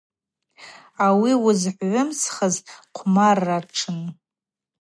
Ауи уызгӏвымсхыз хъвмарратшын.